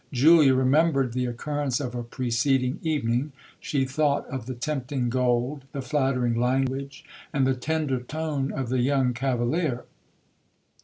Julia remembered the occurrence of a preceding evening,—she thought of the tempting gold, the flattering language, and the tender tone of the young cavalier.